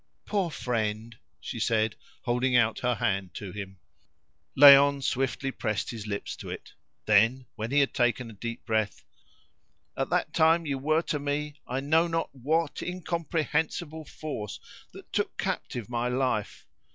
"Poor friend!" she said, holding out her hand to him. Léon swiftly pressed his lips to it. Then, when he had taken a deep breath "At that time you were to me I know not what incomprehensible force that took captive my life.